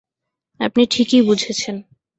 আপনি ঠিকই বুঝেছেন।